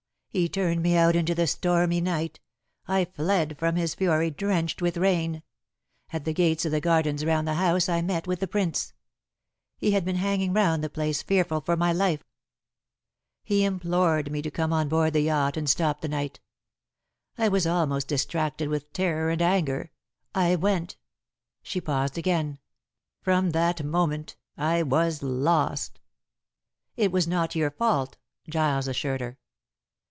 "He turned me out into the stormy night. I fled from his fury, drenched with rain. At the gates of the gardens round the house I met with the Prince. He had been hanging round the place fearful for my life. He implored me to come on board the yacht and stop the night. I was almost distracted with terror and anger. I went." She paused again. "From that moment I was lost." "It was not your fault," Giles assured her.